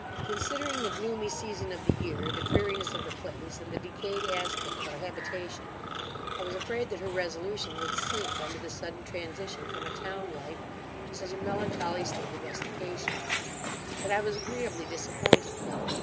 Considering the gloomy season of the year, the dreariness of the place, and the decayed aspect of our habitation, I was afraid that her resolution would sink under the sudden transition from a town life to such a melancholy state of rustication; but I was agreeably disappointed.